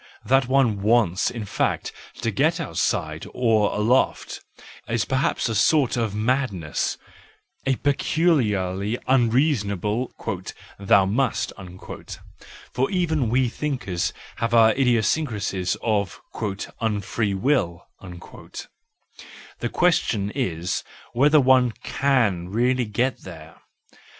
That one wants in fact to get outside, or aloft, is perhaps a sort of madness, a peculiarly un¬ reasonable "thou must"—for even we thinkers have our idiosyncrasies of "unfree will"—: the question is whether one can really get there.